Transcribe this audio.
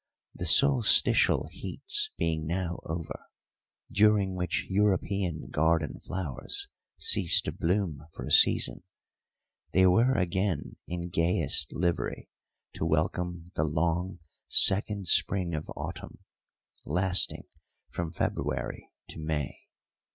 The solstitial heats being now over, during which European garden flowers cease to bloom for a season, they were again in gayest livery to welcome the long second spring of autumn, lasting from February to May.